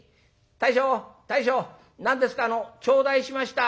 大将大将何ですかあの頂戴しました」。